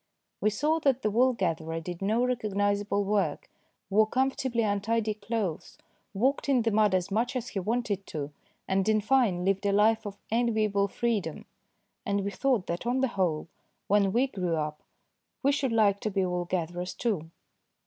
We saw that the wool gatherer did no recog nisable work, wore comfortably untidy clothes, walked in the mud as much as he wanted to, and, in fine, lived a life of enviable freedom ; and we thought that on the whole when we grew up we should like to be wool gatherers too.